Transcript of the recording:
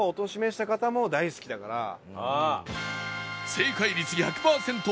正解率１００パーセント